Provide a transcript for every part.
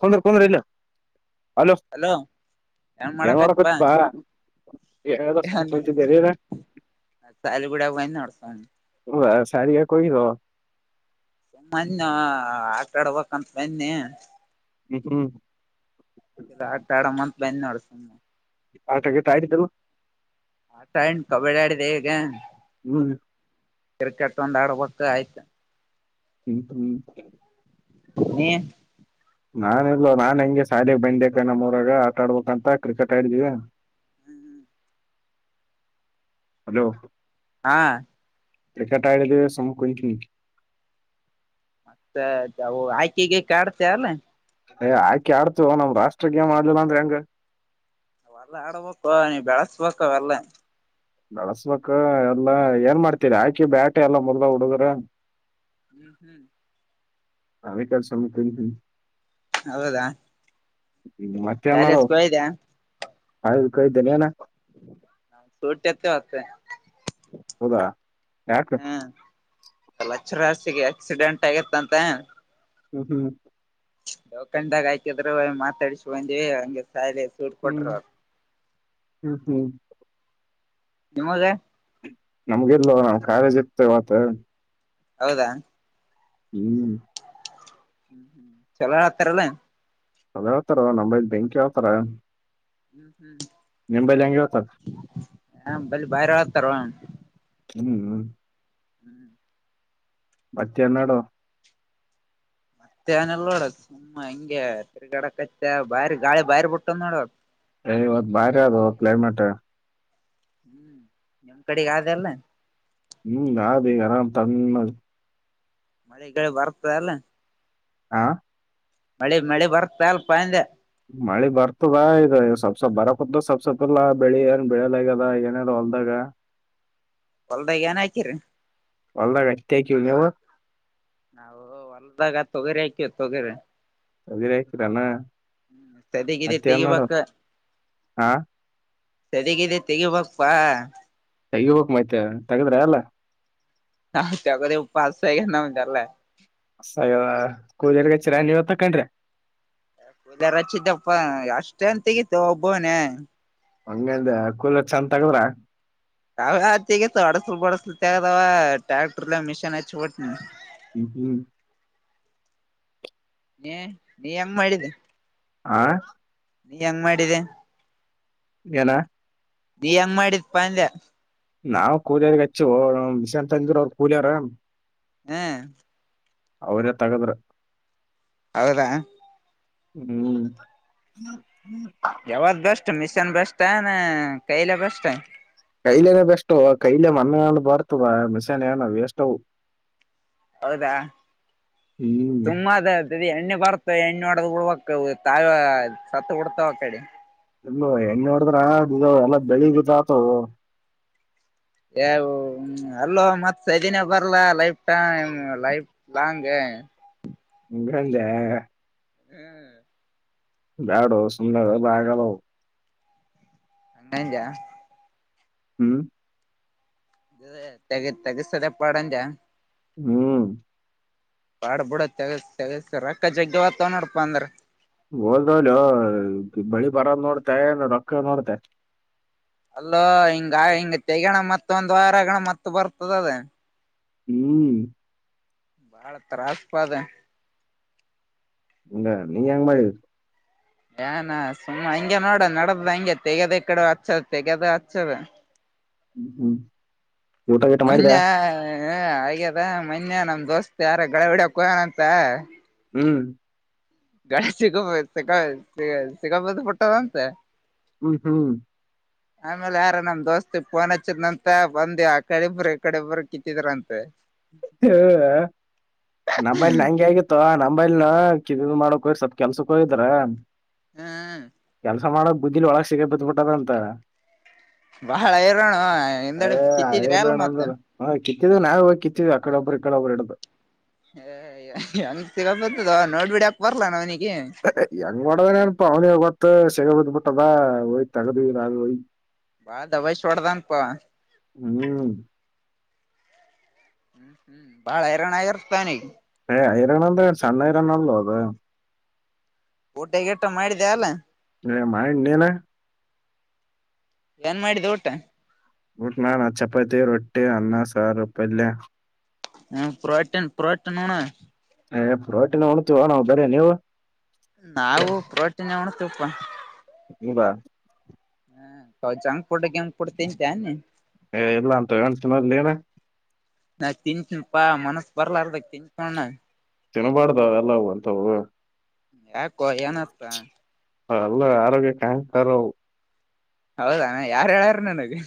ಸಂದ್ರ ಕುಂದ್ರ ಇಲ್ಲ hello hello ಏನ್ ಗ ಮಾಡಕತ್ಪಾ ಮಾಡಕತ್ತಪ್ಪ ಎ ಸಪಂಚ ಬರೆರ ಸಾಲಿ ಗುಡಾಗ ಬಂದ್ ನೋಡ್ ಸುಮ್ ಬ ಸಾರಿಗೆ ಕೊದು ಸುಮ್ಮನ್ ಆಟಾಡ್ಬೇಕಂತ ಬನ್ನಿ ಹ್ಮ್ ಹ್ಮ್ ಇ ಆಟ ಆಡ ಮತ್ ಬಂದ್ ನೋಡ ಸುಮ್ಮನೆ ಆತಗತಾದ್ದಲ್ ಆತ ಎ್ಣ ಕಬಡ್ಡಿ ಆಡಿದೆ ಈಗ ಹ್ಮ್ ಕ್ರಿಕೆಟ್ ಒಂದ ಆಡ್ಬೇಕ ಆಯ್ತು ಇಂ ನೀ ನಾನ ಇಲ್ಲ್ಲ ನಾನ್ ಹೆಂಗೆ ಸಾಲಗ್ ಬಂದ ನಮ್ಮೂರಾಗ ಆಟ ಆಡ್ಬೇಕಂತ ಕ್ರಿಕೆಟ್ ಆಡಿದಿವವಿ ಅಲೋ ಹಾ ಕ್ರಿಕೆಟ್ ಇಳದವೆ ಸಮ ಕಕನಿ ಮತ್ತೆವು ಆಯ್ಕೆಗೆ ಕಾಡ್ತ ಅಲ್ಲ. ಏ ಆಯಕೆ ಆಡ್ತವ ನಾವ್ ರಾಷ್ಟ್ರ ಗೇಮ್ ಆಡ್ಲಿಲ್ಲ ಅಂದ್ರೆ ಹೆಂಗ. ಅವೆಲ್ಲಾ ಆಡ್ಬೇಕು ನೀ ಬೆಳಸ್ಬೇಕ ಅವೆಲ್ಲ. ನಳಸ್ಬೇಕ ಎಲ್ಲಾ ಏನ್ ಮಾಡ್ತೀರಿ ಆಕಿ ಬ್ಯಾಟೆ ಎಲ್ಲಾ ಮೊದಲ ಹುಡುಗ್ರ. ಹ್ಮ್ ಹ್ಮ್ ಆ ಕ ಸಮಮ್ಮತ. ಹೌದಾ. ಶಾಲೇಜಕಯ್ದ. ಹೌದು ಕ ಇದ್ದೆನೆನ. ಸೂಟ ಎತ್ತ ಮತ್ತೆ. ಹೌದಾ ಯಕ. ಲ್ಲ ಚರ ಹಾಸಿಗೆ ಆಕ್ಸಿಡೆಂಟ್ ಆಗತ್ತಂತ. ಹ್ಮ್ ಹ್ಮ್ ದೌಖಂಡಾಗ ಆಯಕಿದ್ರು ಮಾತಾಡಸ್ ಬಂದಿವವಿ ಹಂಗೆ ಸಾಯಾಲ ಸೂಟ್ ಹ್ಮ್ ಕೊಟರು ಹ್ಮ್ ಅವ್ರು. ಹ್ಮ್ ಹ್ಮ್ ನಿಮ್ಮದ. ನಮ್ಗೆಲ್ವ ನಾ ಕಾಲೇಜ್ ಇಗ್ತೇ ಮತ್ತ. ಹೌದಾ ಹ್ಮ ಚಲೋ ಹತ್ತರಲ್ಲ. ಅದ ಯಾವತರ ನಮ್ಮ್ ಬೆಂಕ್ ಯಾವತರ. ಹ್ಮ್ ಹ್ಮ್ ನಿಂಬಲ್ಲಿ ಹೆಂಗೆೋತದ. ಹ ಬಲಿ ಬಾಯ್ರ ಹತಾರವಾ. ಹ್ಮ್ ಹ್ಮ್ ಹ್ಮ್ ಮತ್ತೆಣ್ಣಾಡೋ. ಮತ್ತೆ ನಲ್ ನೋಡ ಸುಮ್ಮ ಹಂಗೆ ತಿರ್ಗಡ ಕಚ್ಚ ಬಾರಿ ಗಾಳಿ ಬಾರಿ ಬಿಟ್ಟದ್ ನೋಡದ. ಏ ಇವತ್ ಬಾರಿ ಅದು ಕ್ಲೈಮೇಟ್. ಹ್ಮ್ ನಿಮ್ಮ ಕಡೆಗ ಆದ ಅಲ್ಲ. ಹ್ಮ್ ಯದು ರ ತಂದ. ಮಳೆಗಳು ಬರ್ತ ಅಲ್ಲ. ಹಾ ಮಳೆ ಮಳೆ ಬರ್ತಾ ಅಲ್ಪ ಹಂದೆ. ಮಳಿ ಬರ್ತದ ಇದು ಸೊಪ್ಸೊಪ್ ಬರ ಕುತ್ ಸೊಪ್ ಸೊಪ್ಪಲ್ಲ ಬೆಳಿ ಏನ್ ಬೆಳಿಯಲ್ಲ ಆಗ್ಯದ ಏನೇರ. ಹೊಲ್ದಗ ಹೊಲ್ದಗ ಏನಾಕಿದ್ರಿ. ಕೋಗಾವ. ನಾವು ಹೊಲ್ದಾಗ ತೊಗರಿ ಆಕ್ಯ ತೊಗರಿ. ಅದರಯಲಣ್ಣ ಸದಿಗಿದಿ ಮತ್ತೇಣಾಡೋ. ತೆಗಿಬೇಕ ಹಾ ಸರಿಗಿದೆ ತೆಗಿಬಕ್ಪ್ಪಾ. ತೆಗಿಬಕ್ ಮೈತ್ತ ತಗದ್ರ ಅಲ್ಲ. [unintelligible] ಅಸಯ್ಯವ ಕೂದರ್ಗ ಚಿರ ನೀವ ತಕಂಡ್ರಿ. ಚ್ಚಿದ್ದಪ್ಪ ಅಷ್ಟೆನ್ ತೆಗಿತ್ತು ಒಬ್ಬವನೇ. ಹಂಗಂದ ಕೂಲ ಚಂದ ತಗದ್ರ. ಅವಾವೇತಿಗ ಅಡಸಲ್ ಬಡಸಲು ತಗದಾವ ಟ್ರ್ಯಾಕ್ಟರ್ಲ್ಲ ಮಿಷೀನ್ ಹಚ್ಚಬಟ್ನ. ಹ್ಮ ಹ್ಮ್ ಏ ನೀ ಹೆಮ್ ಮಾಡಿದ್ದ. ಆಹ್ ನೀ ಹೆಂಗ್ ಮಾಡಿದೆ ಏನ ನೀ ಎಂಗ್ ಮಾಡಿದ್ಪ ಅಂದೆ ನಾವು ಕೂಲಿಯರ್ಗ ಹಚ್ಚಿ ಮಿಷನ್ ತಂದಿದ್ರು ಕೂಲಿಯಾರ. ಹಾ ಅವ್ರೇ ತಗ್ದ್ರು ಹೌದಾ. ಹ್ಮ ಯಾವುದು ಬೆಸ್ಟ್ ಮಿಶನ್ ಬೆಸ್ಟ್ ನ ಕೈಲೆ ಬೆಸ್ಟ್ ಕೈಲೆನ ಬೆಸ್ಟು ಕೈಲೆ ಮಣ್ಣು ಬರ್ತದ ಮಿಷನ್ ಏನೋ ವೇಸ್ಟ್ ಹೌದಾ ಹ್ಮ್ ತುಂಬಾ ಕತ್ತತ್ತಿ ತಡಿ ಎಣ್ಣೆ. ಬರ್ತಾವ ಎಣ್ಣೆ ಹೊಡೆದು ಬಿಡಬೇಕು ಸತ್ತು ಬಿಡ್ತವೆ ಆ ಕಡೆ ಇಲ್ಲ ಮಾವ ಎಣ್ಣೆ ಹೊಡದ್ರೆ ಬೆಳೆ ಎ ಅಲ್ಲೋ ಮತ್ತ ಸೀಸನ್ ನಾಗ ಬರ್ಲಾ ಲೈಫ್ ಟೈಮ್ ಲೈಫ್ ಲಾಂಗ್. ಹೆ ಹಿಂಗಂದ. ಹ್ಮ ಬ್ಯಾಡೋ ಸುಮ್ನಿರು ಇದು ಆಗೋದಿಲ್ಲ ಅವು ಹಂಗಂಗ ಹ್ಮ್. ಇದು ತೆಗೆ ತೆಗೆಸದ ಪಾಡು ಅಂದಿಯಾ ಹ್ಮು ಬಾಡ ಬಿುಡ ತೆಗಸ್ ತೆಗಸ ರೊಕ್ಕ ಜಗ್ಗೆ ಹೊತವ ನೋಡಪಾ ಅಂದ್ರ. ಹೋದ್ರ ಹೋಗ್ಲಿ ಬೆಳೆ ಬರೋದು ನೋಡ್ತಿಯ ರೊಕ್ಕ ನೋಡ್ತೀಯಾ. ಅಲ್ಲೋ ಹಿಂಗ ತೆಗೆಯಂಗನ ಮತ್ತ ಒಂದ್ ವಾರಗಣ ಮತ್ತ ಬರ್ತದ ಅದ. ಹ್ಮ ಬಾಳ ತ್ರಾಸ್ಪ ಅದು ಅಂಗ ನೀ ಹೆಂಗ್ ಮಾಡಿದಿ ಏನಾ ಸುಮ್ಮ್ ಹಂಗೆ ನೋಡ ನಡದ ಹಂಗೆ ತೆಗದ ಈ ಕಡೆ ಹಚ್ಚದ ತೆಗದ ಹಚ್ಚದ ಹ್ಮ್ ಊಟ ಗೀಟ ಮಾಡಿದ್ಯಾ ಮೊನ್ನೆ ಹ ಆಗ್ಯದ ಮನ್ಯ ನಮ್ ದೋಸ್ತ್ ಯಾರ ಗಳೇ ಹೊಡೆಯಕ್ಕೆ ಹೋಗನಂತ ಹ್ಮ್ ಗಾಡಿಯಲ್ಲಿ ಸಿಕ್ಕೊಂಡು ಬಿಟ್ಟಿದ್ದಾರಂತೆ ಹ್ಮ ಹ್ಮ್ ಆಮೇಲೆ ಯಾರ ನಮ್ ದೋಸ್ತಿಗ್ ಫೋನ್ ಹಚ್ಚಿದ್ನಂತ ಬಂದ್ ಆ ಕಡೆ ಇಬ್ರು ಈ ಕಡೆ ಇಬ್ರು ಕಿತ್ತಿದ್ರಂತೆ ಹ ಹ ನಮ್ಮಲ್ಲಿಯೂ ಹಂಗೆ ಆಗಿತ್ತು ಮೊಬೈಲ್ ನ ಕೆದಿರು ಮಾಡಾಕೆ ಸ್ವಲ್ಪ ಕೆಲಸಕ್ಕೆ ಹೋಗಿದ್ದರು ಆಹ್ ಸಮಾಲ ಬುದಿಲಿ ಒಳಗ್ ಸಿಗ ಬಿದ್ ಬಿಟ್ಟಾನಂತ. ಬಾಳ ಹೈರಾಣ ಅ ಹಿಂದೆಡೆ ಕಿತ್ತಿದ್ರೆ ಅಲ್ ಆಯರ್ಲೆಂಡ ಮತ್ತ ಅಂದ ಹ ತಿರ್ಗ್ ನಾವೆ ಹೋಗ್ ಕಿತ್ವಿ ಆ ಕಡೆ ಒಬ್ರು ಇ ಕಡೆ ಒಬ್ರು ಹಿಡ್ದು ಹೆಂಗ್ ಸಿರ ಬಂತದ ನೋಡ್ಬಿಡಾಕ್ ಬರ್ಲಾ ಏನ್ ಅವನಿಗೆ ಹೆಂಗ್ ಒಡದನ್ ಅವ್ನಿಗೆ ಗೊತ್ತು ಸಿಗೆ ಬಿದ್ದ ಮದಾ ಯ್ ತಗದುಿಲ್ಲ ಅಾಗ ಹಯ್ ಬಾಳ್ ದಾಬಯ್ಸಿ ಹೊಡ್ದಾನ್ಪ ಹ್ಮ್ ಹ್ಮ್ ಹ್ಮ್ ಬಾಳ ಹೈರಾಣ ಆಗರ್ತಾ ಅವ್ನಿಗೆ ಐರ ನಲ್ದಾ ಸಣ್ಣರ ನಳಲ್ಲ ಅದದು ಊಟ ಗೀಟ ಮಾಡ್ದ ಇಲ್ಲ. ಮಾ ಇ್ಣೇನೆ. ಏನ್ ಮಾಡಿದ್ದ ಊಟ್ಟ. ಗಡ್ ನನ್ ಚಪಾತಿ ರೊಟ್ಟಿ ಅನ್ನ ಸಾರು ಪಲ್ಯ. ಹ್ಮ ಪಯಟನ್ ಪಯಟನ್ೋಣ. ಏ ಪ್ರೋಟಿನ್ ಉಣ್ತಿೀವ ನಾವು ಬರ ನೀವು ನಾವು ಪ್ರೋಟೀನ್ ಉಣತಪ್ಪಾ ಇ ಬ ಹ ಜಂಕ್ ಪಡಂ್ ಕೊಡ್ ತಿಂತಿ ಏ ಇಲ್ಲ ಅಂತ ಎಳ್ತನ ಏನ ನಾ ತಿಚ ಪಾ ಮನಸ್ ಬರ್ಲಾರದ ತಿಂಕಣ ತಿನ್ನಬಾರ್ದಾವ ಎಲ್ಲ ಅಂತವು ಯ ಕೊಿಯನಪ್ಪ ಹ ಅಲ್ಲ ಆರೋಗ್ಯ ಕಾಯ್ತಾರ ಹೌದಾನ ಯಾರು ಹೇಳಾರ ನನಗೆ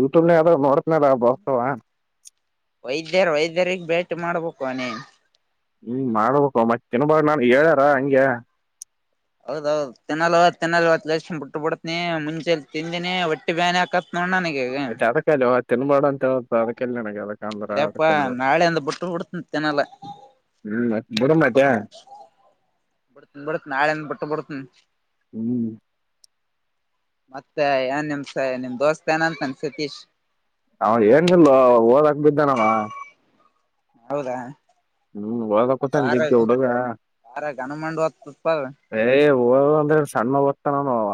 ಯೂಟ್ಯೂಬ್ನ ಯಾವ್ ನೋಡತನಾರ ಬಸವ ವೈದ್ಯರ ವೈದ್ಯರಿಗೆ ಭೇಟಿ ಮಾಡ್ಬೇಕು ಅವನೇ ಹ್ಮ್ ಮಾಡ್ಬೇಕು ಮತ್ತೆನ್ ಬ ನಾನ್ ಹೇಳ್ಯಾರ ಹಂಗಗೆ ಹೌದೌದು ತಿನ್ನಲ್ ತಿನ್ನಲ್ ಲಕ್ಷ ಬಿಟ್ಟ ಬಿಡ್ತನಿ ಮುಂಚೆಲಿ ತಿಂದಿನಿ ಒಟ್ಟಿ ಬ್ಯಾನಿ ಹಾಕತ್ ನೋಡ್ ನನಗೆ ಈಗ ಮತ್ತೆ ಅದಕ್ಕ ತಿನ್ ಮಾಡಾ ಅಂತ ಅದ ಕಲ್ಯಾಣಗೆ ಅದ ಕಾಂಧ್ರ ಅದ ಅದ್ಯಪ್ಪಾ ಕಲ್ಲೂರು ನಾಳೆಂದ ಬಿಟ್ಟು ಬಿಡ್ತನ್ ತಿನ್ನಲ್ಲ ಹ್ಮ್ ಬರತ್ಯ ಬಡತ ಬಡತ ಆಳ ಬಟ್ಟು ಬಡತ ಹ್ಮ್ ಮತ್ತೆ ಏನ್ ನಿಮ್ಸ ನಿಮ್ ದೋಸ್ತ್ ಏನಂತನ್ ಸತೀಶ್ ಅವ ಏನ್ಲ್ೋ ಓದಕ್ ಬಿದ್ದನಾನ ಹೌದಾ ಹ್ಮ್ ಒಳಕತ ನಿಗ್ಗ ಹುಡುಗ ಯಾರ ಗನುಮಂಡ ಹೊತ್ತುತ್ಪಲ್ ಏ ಹ ಅಂದ್ರೆ ಸಣ್ಣ ಓದ್ತಾನ ಅವ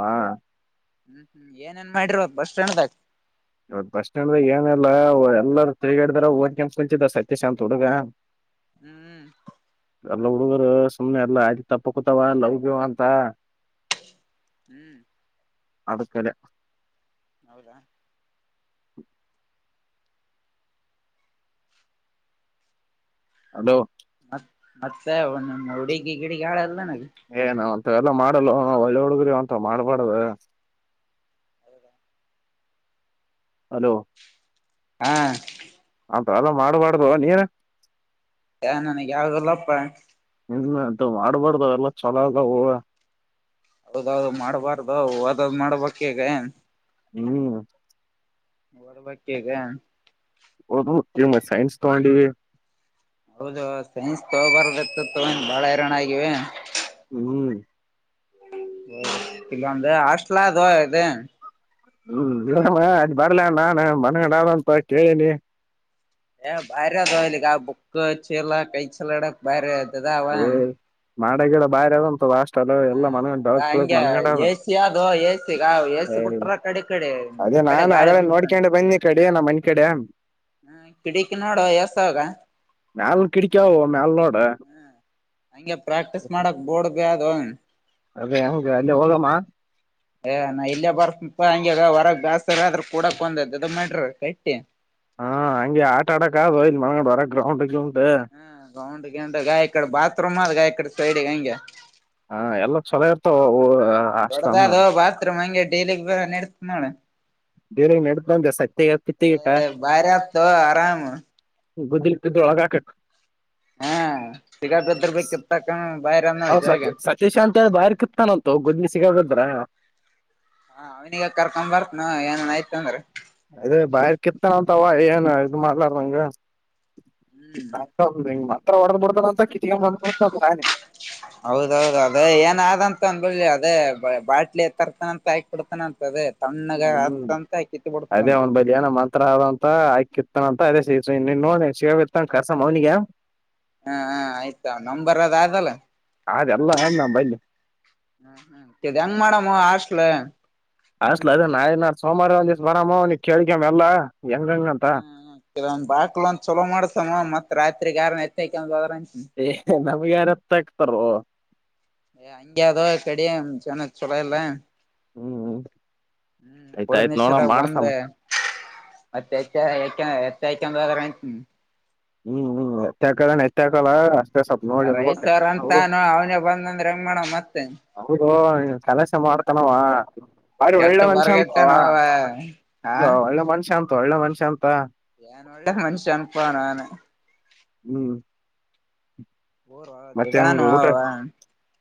ಹ್ಮ್ ಹ್ಮ್ ಏನೇಏನ್ ಮಾಡಿರೋ ಬಸ್ ಸ್ಟ್ಯಾಂಡ್ದಾಗ ಇವತ್ ಬಸ್ ಸ್ಟ್ಯಾಂಡ್ಾಗ ಏನಲ್ಲ ಎಲ್ಲರೂ ತಿರುಗಾಡಿದಾರ ಹೋಗದ್ ಕೆಂ ಕುಂಚಿದ ಸತ್ಯಶಾಂತ್ ಹುಡುಗ ಹ್ಮ್ ಎಲ್ಲ ಹುಡುಗರು ಸುಮ್ಮನೆ ಎಲ್ಲ ಆಯ್ತ ತಪ್ಪಕತಾವ ಲವಗ್ಯವ ಅಂತ ಹ್ಮ್ ಅಡಕ್ಕಲೆ ಹೌದಾ ಅಲೋ ಮತ್ ಮತ್ತೆ ಒ ಹುಡುಗಿ ಗಿಡಗಾಳ ಎಲ್ಲನ ಏನ ಅಂತ ಎಲ್ಲ ಮಾಡಲ್ಲ ಒಳ್ಳಿ ಹುಡುಗರಿ ಒಂತ ಮಾಡ್ಬಾರ್ದ ಹಲೋ ಹಾ ಅಂತ ಎಲ್ಲ ಮಾಡಬಾರ್ದು ನೀನ್ ಹ ನನಗೆ ಯಾವಾಗಲ್ಲಪ್ಪ ಇ ಅಂತ ಮಾಡ್ಬಾರ್ದ್ ಎಲ್ಲ ಚೊಲೋ ಹ ಹೌದೌದು ಮಾಡಬಾರ್ದು ಹದದ್ ಮಾಡ್ಬಕ್ ಹೇಗ ಹ್ಮ್ ಹೊರಬೇಕಕ್ಕೆಗ ಒದು ಸೈಂಸ್ ತ ಆಂಂಡ ಹೌದು ಸೈನ್ಸ್ ತಗೋಬಾರದತ್ತತ್ತು ಬಾಳ ಹರಾಣ ಆಗಿವ ಹ್ಮ್ ಇಲ್ಲಂದ ಹಾಸ್ಲಾ ಅದೋ ಇದು ಹೂ ಇಮ್ಮ ಅ್ ಬರ್ಲ ನಾನ್ ಮನಗಡಂತ ಕೇಳಿನಿ ಏ ಭಾರಿ ಅದಲಿಗ ಬುಕ್ಕ ಚೀಲ ಕೈ ಚಲಡಕ್ ಭಾರಿ ಅತದ ಅವ ಮಾಡಾ ಗಿಡ ಬಾರಿ ಅದಂತಷ್ಟ ಚೋಲಾ ಎಲ್ಲ ಮನಗಂಡ ಹಂಗೆ ಮನಗಂಡ ಎಸಿ ಅದು ಎಸಿಗ ಐ ಎಸಿ ಹೂ ಬಿಟ್ರ ಕಡೆ ಕಡೆ ಇ ಕಡೆ ನಾನ್ ಆ ಗಾಳಿ ನೋಡ್ಕೊಂಡೆ ಬಂದಿ ಕಡೆ ನಮ್ಮ ಮನಿ ಕಡೆ ಹಾ ಕಿಡಿಕಿ ನೋಡ ಎಸವಿರಾ ಮೇಲ್ ಕಿಡಿಕಾವೋ ಮೇಲ್ನೋಡ ಹಂಗೆ ಪ್ರಾಕ್ಟೀಸ್ ಮಾಡಕ್ ಬೋರ್ಡ್ ಬ ಅದು ಅದೇ ಹ ಅಲ್ಲಿೇ ಹೋಗಮ್ಮ ಏ ನಾ ಇಲ್ಲೇ ಬರ್ಪ್ಪ ಹಂಗಗೆಗ ಹೊರಗ್ ಜಾಸ್ತಿರ ಆದ್ರ ಕೂಡಕ್ ಒಂದ ಅದು ಮಾಡ್ರಿ ಕಟ್ಟಿ ಹಾ ಹಂಗೆ ಆಟ ಆಡಕ್ ಆ ಇ ಮಡ ಬರ ಗ್ರೌಂಡ್ ಹೂ ಗೌಂಡ ಗಂಡ ಗ ಇಡೆ ಬಾತ್ರೂಮ್ ಅದ ಗ ಇಡೆ ಸೈಡ್ಗ ಹಂಗೆ ಹಾ ಎಲ್ಲ ಚಲೋ ಇರ್ತಾವ ಅಷ್ಟಲ ಅಮ್ಮ ಎಲಿಾನ ಎಡು ನಾಳ ಬೇರೆ ನಡ್ತಂದ ಸತ್ಯ ಕತ್ತಗಟ ಬಾರಿ ಆತ್ತು ಆರಾಮ್ ಗುದಿಲ್ತಿದ್ದೊಳಗಾಕು ಹಾ ಸಿಗಕದರ್ಬೇಕೇಕಿತ್ತಕ್ಕಣ ಹೌ ಸ ಸತೀಶ್ ಅಂತ ಹೇಳ ಬಾರಿ ಕಿತಾನಂತು ಗೊದ್ನಿ ಸಿಗೇಬಿದ್ರೆ ಹಾ ಅವ್ನಿಿಗೆ ಕರ್ಕೊ್ ಬರ್ತನ ಏನನ್ ಆಯ್ತ ಅಂದ್ರ ಅದೇ ಬಾಯರ್ ಕೆತ್ತನ ಅಂತಾವ ಏನು ಇದು ಮಾಡಲರಂಗ ಹ್ಮ್ ಮಾತ್ರ ಹೊಡೆದ ಬಡ್ತಂತ ಹೌದೌದ ಅದ ಏನಾದಂತ ಂದಿ ಅದೇ ಬಾಟ್ಲಿ ಎ ತರ್ತಾನಂತ ಹಾಕ ಬಿಡ್ತಾನ ಅಂತ ಅದೇ ಹೂ ತಣ್ಣಗ ಹೂ ಹತ್ತಂತ ಕಿತ್ ಅದೇ ಬಿಡ್ತಂತ ಒಂದ್ ಬದಿಯನ ಮಂತ್ರ ಆದಂತ ಆಾಕಿತ್ತನ ಅದೇ ಸ ನೀ ನೋ ಶೇತ್ತ ಕರ್ಸ ಮನಿಗೆಗ ಹಾ ಹ ಆಯ್ತ ನಂಬರ್ದ ಆದಲ್ಲ ಅದೆಲ್ಲ ನಮ್ ಬಲ್ಲಿ ಹೂ ಹೂ ಹೆಂಗ್ ಮಾಡೇಡಾಮ ಆರ್ಸ್ಟ್ಲ ಅಷ್ಟಲ ಅದ ನಾಯ್ ನು ಸೋಮವಾರ ಒಂದ್ ದಿವಸ ಬರಾಮ ಅವ ಕೇಳ್ಿಕಮ್ಮ ಎಲ್ಲಾ ಹೆಂಗಂಗಂತ ಹೂ ಕೆವೊಂದ್ ಬಾಕ್ಲ ಒ್ ಚಲೋ ಮಾಡ್ಸಮ್ಮ ಮತ್ ರಾತ್ರಿಗ ಆಾರ ಎತ್ತದ್ರ ಏ ನಮ್ಗೆ ಯಾರತ್ತ ಆಕ್ತಾರ ಅಂಗ ಅದೋ ಕಡಿ ಜನ ಚೋಲಾ ಇಲ್ಲ ಹಹೂ ಹೂ ಹೂ ಕುಡುದ್ ನಿಷದಾಗ ಬಂದ ಮತ್ತೆ ಎತ್ತಯ ಬ ಹೂ ಹೂ ನೆತ್ತಾಕಲ್ಲ ನೆತ್ಯಾಕಲ್ಲ ಅಷ್ಟೇ ಸ್ವಲ್ಪ ನೋಡಿ ಹೋಗ ರೈಸರ್ ಅವ್ರು ಅಂತಾನ ಅವನೇ ಬಂದಂದ್ರ ಹೆಂಗ್ ಮಾಡವ ಮತ್ತೆ ಹೌದು ಕೆಲಸ ಮಾಡ್ತಾನವಾ ಬಾರಿ ಕೆಟ್ಟ ಒಳ್ಳೆ ಮನುಷ್ಯ ಬರ್ಗತ್ತ ಅಂತವಾ ನೋವ ಹಾ ಇವಾ ಒಳ್ಳೆ ಮನುಷ್ಯ ಅಂತ ಒಳ್ಳೆ ಮನುಷ್ಯ ಅಂತ ನ್ ಒಳ್ಳೆ ಮನುಷ್ಯ ಅನಪಾನ ನಾನು ಹೂ ನಿಧನು ಊಟ ಯವ್ವ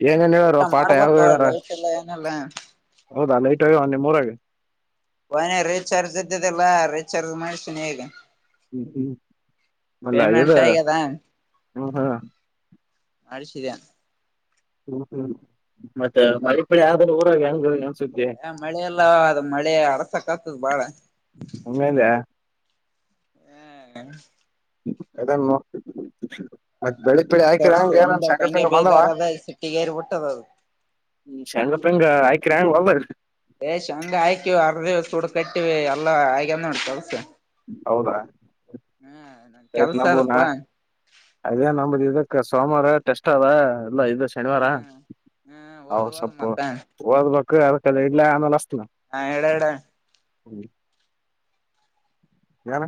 ಏನೇನ್ ಊಟ ಹೇಳಾರ ಪಾಠ ಮಾಡ್ಬೇಕ ಯಾವ್ದ ಹೇಳಾರ ಲೈಟ್್ ಎಲ್ಲ ಏನಿಲ್ಲ ಹೌದಾ ಲೈಟ್ ಆಗಿ ಒಂದ ನಿಮ್ಮ ಊರಾಗ ಒನ ರೀಚಾರ್ಜ್ ಇದ್ದಿದಿಲ್ಲ ರೀಚಾರ್ಜ್ ಮಾಡ್ಸನಿ ಈಗ ಹೂ ಹೂ ಮಲ್ಲದ ಪೇಮೆಂಟ್ ಆಗ್ಯದ ಹ ಹಾ ಆಡಿಸಿದೆ ಹ್ಹೂ ಮತ್ತು ಮತ್ತೆ ಮರಿಪಳಿ ಆದ್ರ ಊರಾಗ ಹೆಂಗ ಸುದ್ದಿ ಆ ಮಳೆಲ್ಲ ಅದು ಮಳೆ ಅರಸಕ ಆತದ ಬಾಳ ಹಂಗಂದೆ ಹ ಥಡೆಮೊ ಮತ್ತ ಬೆಳಿಗ್ ಬೆಳಿ ಆದ್ ಹಾಕಿರ ವರ್ಷ ಅಂಗ ಏನ ಹೆಂಗ್ಬೇಕ್ ಹಂಗೆ ಸಂಗ ಬಂದವ. ಬೇಜಾರದ ಸಿಟ್ಟಿಗೇರಿ ಬಿಟ್ಟದ ಅದು ಶಂಗ ಪೆಂಗ ಹಾಕಿರ ಏನ್ ಹೊಲ್ದಾಗ ಯ ಶೇಂಗ ಹಾಕಿ ಅರ್ಧಿವ ಸೂಡ್ ಕಟ್ಟಿವಿ ಎಲ್ಲ ಆಗೆದ್ದ ನೋಡ ಕೆಲ್ಸ ಹೌದಾ. ಹ್ಮ್ ನನ್ ತಾ ಕೆಲ್ಸ ನಂಬದ ಅದಪ್ಪಾ ಅದೇ ನಂಬದ ಇದಕ್ಕ ಸೋಮರ ಟೆಸ್ಟ್ ಅದ. ಇಲ್ಲ ಇದ ಶನಿವಾರ ಹ್ಮ್ ಹ್ಮ್ ಹದ ಓದ್ ಓದ್ ಸೊಪ್ಪ ಮತ್ತ ಓದಬೇಕ ಅದಕ್ಕ ಇಡ್ಲ ಆಮೇಲ ಹಚ್ಚತನ. ಹಾ ಹೇಳ ಯಾಡ ಹ್ಮ ಏನ